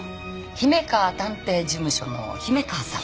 姫川探偵事務所の姫川さん。